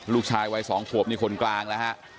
ลูกชายวัย๒ขวบนี่คนกลางแล้วฮะ